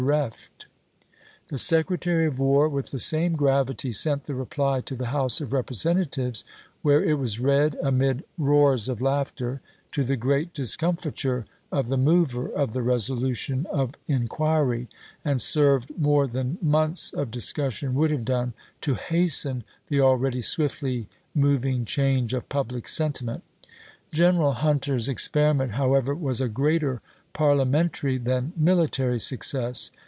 Jlllv 2 1862 reft." The Secretary of War, with the same gravity, p 3087. sent the reply to the House of Representatives, where it was read amid roars of laughter, to the great discomfiture of the mover of the resolution 444 ABEAHAM LINCOLN Chap. XX. of inquiry ; and served, more than months of dis cussion would have done, to hasten the already swiftly moving change of public sentiment, Gren 1862. era! Hunter's experiment, however, was a greater parliamentary than military success.